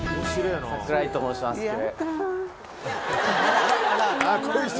櫻井と申しまして。